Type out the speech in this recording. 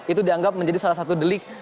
itu dianggap menjadi salah satu delik